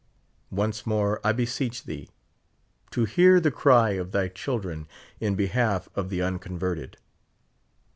Once more, I beseech thee, to hear the cry of thy children m behalf of the unconverted.